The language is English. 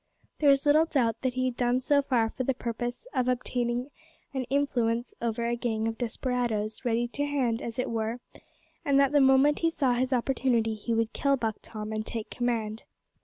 There is little doubt that he had done so for the purpose of obtaining an influence over a gang of desperadoes, ready to hand, as it were, and that the moment he saw his opportunity he would kill Buck Tom and take command.